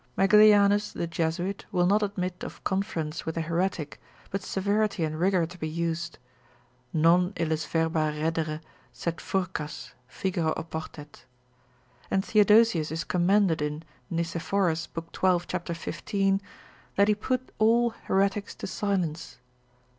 Magillianus the Jesuit will not admit of conference with a heretic, but severity and rigour to be used, non illis verba reddere, sed furcas, figere oportet; and Theodosius is commended in Nicephorus, lib. 12. cap. 15. That he put all heretics to silence.